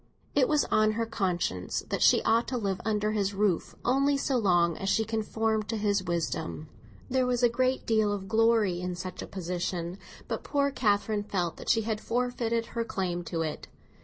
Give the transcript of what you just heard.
It was on her conscience that she ought to live under his roof only so long as she conformed to his wisdom. There was a great deal of glory in such a position, but poor Catherine felt that she had forfeited her claim to it.